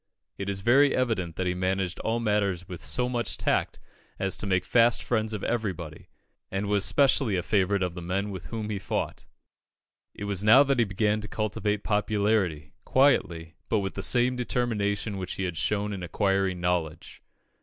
It is very evident that he managed all matters with so much tact as to make fast friends of everybody, and was specially a favourite of the men with whom he fought. It was now that he began to cultivate popularity, quietly, but with the same determination which he had shown in acquiring knowledge.